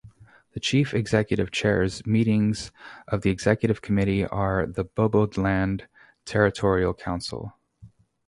The chief executive chairs meetings of the Executive Committee of the Bodoland Territorial Council.